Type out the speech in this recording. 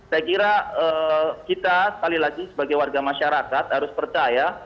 saya kira kita sekali lagi sebagai warga masyarakat harus percaya